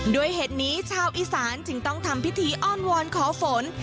ด้วยเหตุนี้ชาวอีสานจึงต้องทำพิธีอ้อนวอนขอฝน